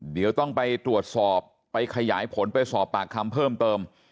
เดี๋ยวต้องไปตรวจสอบไปขยายผลไปสอบปากคำเพิ่มเติม